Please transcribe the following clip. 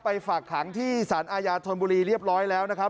ฝากขังที่สารอาญาธนบุรีเรียบร้อยแล้วนะครับ